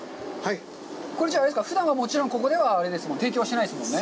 これ、ふだんは、もちろん、ここでは提供してないですもんね？